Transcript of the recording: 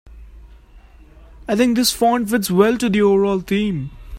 I think this font fits well to the overall theme.